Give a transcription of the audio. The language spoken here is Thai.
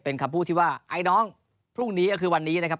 เป็นคำพูดที่ว่าไอ้น้องพรุ่งนี้ก็คือวันนี้นะครับ